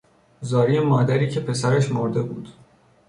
زاری مادری که پسرش مرده بود